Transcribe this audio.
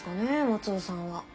松尾さんは。